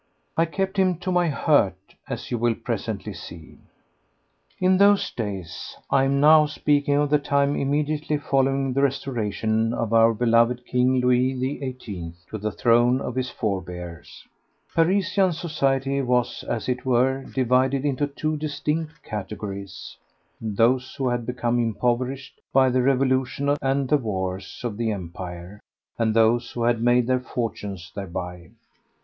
I kept him to my hurt, as you will presently see. In those days—I am now speaking of the time immediately following the Restoration of our beloved King Louis XVIII to the throne of his forbears—Parisian society was, as it were, divided into two distinct categories: those who had become impoverished by the revolution and the wars of the Empire, and those who had made their fortunes thereby.